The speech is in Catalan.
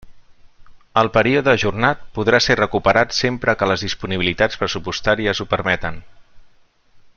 El període ajornat podrà ser recuperat sempre que les disponibilitats pressupostàries ho permeten.